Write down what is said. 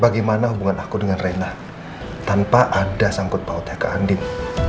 bagaimana hubungan aku dengan reina tanpa ada sangkut pautnya ke andin